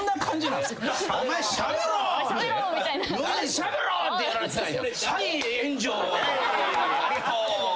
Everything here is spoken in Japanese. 「しゃべろ！」ってやられてたんや。